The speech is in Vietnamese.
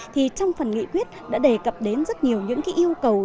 thì trong phần nghị quyết đã đề cập đến rất nhiều những yêu cầu